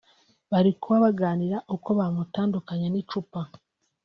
bari kuba baganira uko bamutandukanya n’icupa